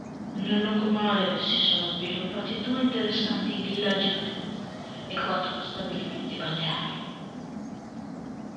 Nel lungomare si sono sviluppati due interessanti Villaggi Vacanza e quattro stabilimenti balneari.